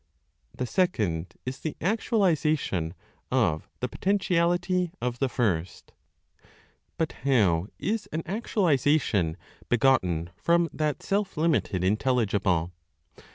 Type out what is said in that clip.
THE SECOND IS THE ACTUALIZATION OF THE POTENTIALITY OF THE FIRST. But how is an actualization begotten from that self limited (intelligible)?